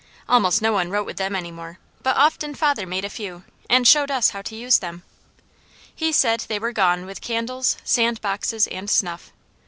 Almost no one wrote with them any more, but often father made a few, and showed us how to use them. He said they were gone with candles, sand boxes, and snuff.